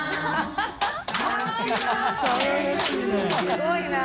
すごいな。